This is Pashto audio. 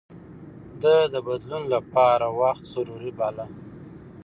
ده د بدلون لپاره وخت ضروري باله.